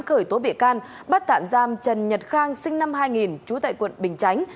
khởi tố bị can bắt tạm giam trần nhật khang sinh năm hai nghìn trú tại quận bình chánh